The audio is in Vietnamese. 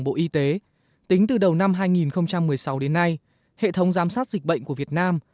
bộ y tế tính từ đầu năm hai nghìn một mươi sáu đến nay hệ thống giám sát dịch bệnh của việt nam